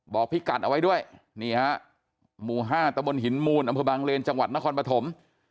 พิกัดเอาไว้ด้วยนี่ฮะหมู่๕ตะบนหินมูลอำเภอบางเลนจังหวัดนครปฐม